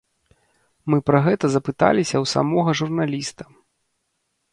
Мы пра гэта запыталіся ў самога журналіста.